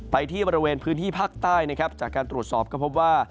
ไปที่บริเวณพื้นที่ภาคใต้จากกว่าตรวจสอบก็เพราะว่า